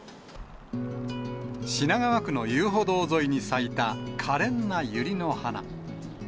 品川区の遊歩道沿いに咲いたかれんなユリの花。